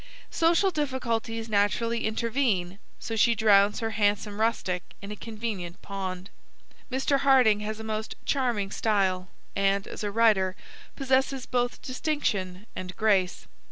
Social difficulties naturally intervene, so she drowns her handsome rustic in a convenient pond. Mr. Hardinge has a most charming style, and, as a writer, possesses both distinction and grace.